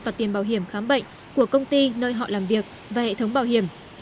và tiền bảo hiểm khám bệnh của công ty nơi họ làm việc và hệ thống bảo hiểm